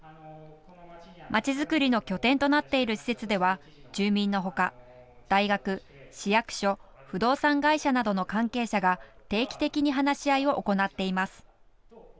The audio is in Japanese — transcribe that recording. まちづくりの拠点となっている施設では住民の他、大学、市役所不動産会社などの関係者が定期的に話し合いを行っています。